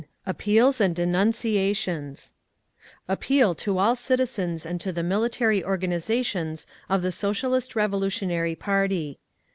APPEALS AND DENUNCIATIONS Appeal to all Citizens and to the Military Organisations of the Socialist Revolutionary Party.